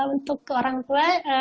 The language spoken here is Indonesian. untuk orang tua